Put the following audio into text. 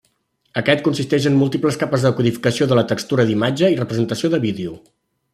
Aquest consisteix en múltiples capes de codificació de la textura d'imatge i representació de vídeo.